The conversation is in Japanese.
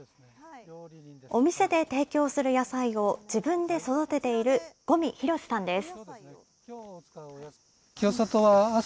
お店で提供する野菜を自分で育てている五味博さんです。